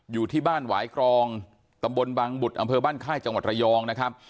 อยู่ที่บ้านหวายกรองตำบลบังบุตรอำเภอบ้านค่ายจังหวัดระยองนะครับ